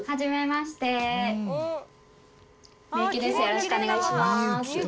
よろしくお願いします。